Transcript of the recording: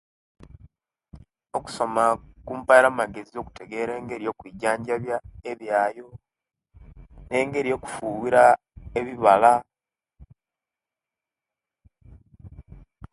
Okusoma kumpire amagezi okitegera engeri yo kuijanjabiya ebiyo ne engeri yo kufuwira ebibala